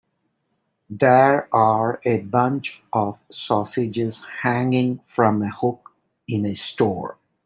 There are a bunch of sausages hanging from a hook in a store.